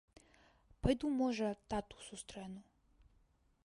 Пайду, можа, тату сустрэну.